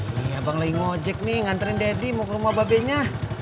nih abang lagi ngojek nih nganterin deddy mau ke rumah babenya